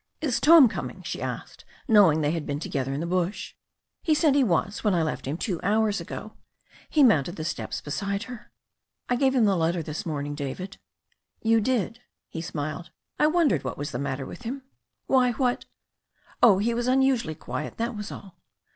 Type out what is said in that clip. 'Is Tom coming?" she asked, knowing they had been to gether in the bush. '*He said he was when I left him two hours ago." He mounted the steps beside her. "I gave him the letter this morning, David." "You did," he smiled. 'T wondered what was the matter with him." "Why, what " "Oh, he was unusually quiet, that was all."